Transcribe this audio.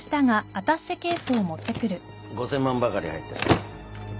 ５，０００万ばかり入ってる。